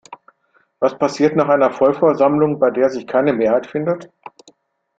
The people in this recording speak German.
Was passiert nach einer Vollversammlung, bei der sich keine Mehrheit findet?